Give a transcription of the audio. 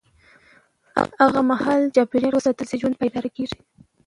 هغه مهال چې چاپېریال وساتل شي، ژوند پایدار کېږي.